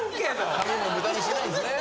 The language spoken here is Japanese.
紙も無駄にしないですね。